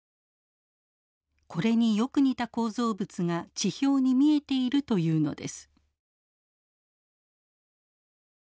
これによく似た構造物が地表に見えているというのです。